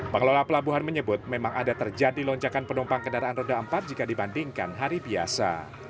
pengelola pelabuhan menyebut memang ada terjadi lonjakan penumpang kendaraan roda empat jika dibandingkan hari biasa